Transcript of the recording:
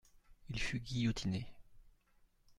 Il fut guillotiné.